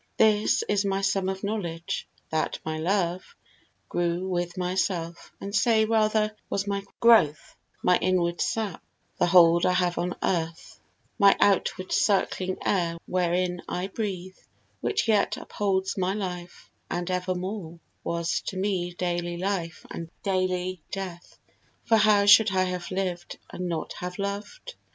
This is my sum of knowledge that my love Grew with myself and say rather, was my growth, My inward sap, the hold I have on earth, My outward circling air wherein I breathe, Which yet upholds my life, and evermore Was to me daily life and daily death: For how should I have lived and not have loved?